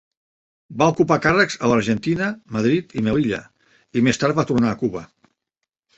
Va ocupar càrrecs a l'Argentina, Madrid i Melilla, i més tard va tornar a Cuba.